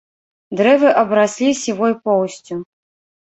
Дрэвы абраслі сівой поўсцю.